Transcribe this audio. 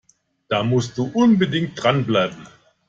Da musst du unbedingt dranbleiben!